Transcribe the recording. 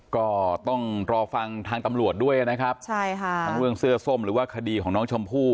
ก็ต้องรอฟังทางตำรวจด้วยนะครับใช่ค่ะทั้งเรื่องเสื้อส้มหรือว่าคดีของน้องชมพู่